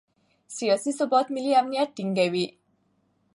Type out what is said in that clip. سیاسي ثبات ملي امنیت ټینګوي